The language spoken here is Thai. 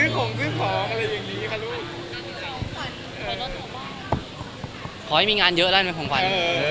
ขอให้มีงานเยอะมากกว่าแม่ของขวัญ